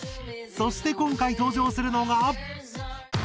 そして今回登場するのが。